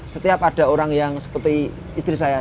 setiap ada orang yang seperti istri saya